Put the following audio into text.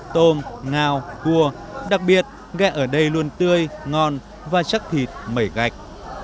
tôm ngao cua đặc biệt gẹ ở đây luôn tươi ngon và chắc thịt mẩy gạch